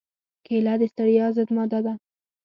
کېله د ستړیا ضد ماده لري.